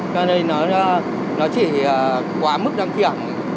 cho nên là nó chỉ quá mức đăng kiểm